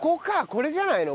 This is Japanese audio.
これじゃないの？